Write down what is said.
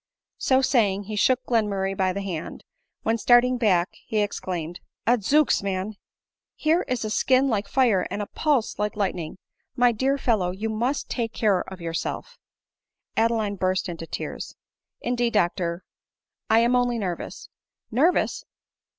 So saying, he shook Glenmurray by the hand ; when, starting back, he exclaimed, " Odzooks, man ! here is a skin like fire, and a pulse like lightning. My dear fel low, you must take care of yourself." Adeline burst into tears. " Indeed, doctor, I am only nervous." " Nervous